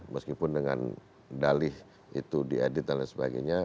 meskipun dengan dalih itu diedit dan lain sebagainya